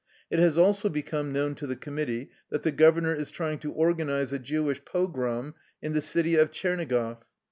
It has also become known to the committee that the governor is trying to or ganize a Jewish pogrom in the city of Tcherni goff.